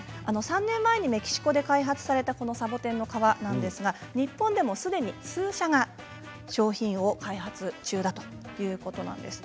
３年前にメキシコで開発されたこのサボテンの革なんですが日本でも、すでに数社が商品を開発中だということなんです。